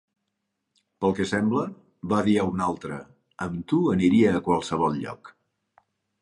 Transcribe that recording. Pel que sembla, va dir a un altre: "Amb tu, aniria a qualsevol lloc".